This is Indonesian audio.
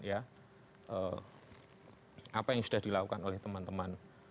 apa yang sudah dilakukan oleh teman teman